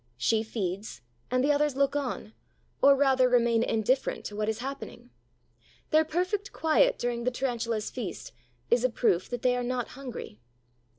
She feeds and the others look on, or rather remain indifferent to what is happening. Their perfect quiet during the Tarantula's feast is a proof that they are not hungry.